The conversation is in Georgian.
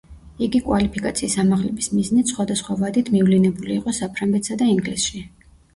იგი კვალიფიკაციის ამაღლების მიზნით სხვადასხვა ვადით მივლინებული იყო საფრანგეთსა და ინგლისში.